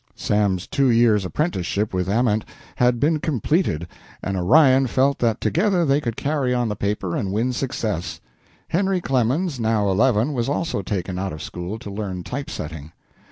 Sam's two years' apprenticeship with Ament had been completed, and Orion felt that together they could carry on the paper and win success. Henry Clemens, now eleven, was also taken out of school to learn type setting.